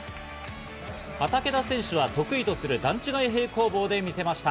畠田選手は得意とする段違い平行棒で見せました。